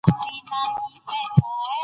د ژمي سوړ سهار مي